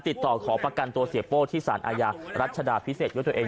ติดต่อขอประกันตัวเสียโป้ที่สารอาญารัชดาพิเศษด้วยตัวเอง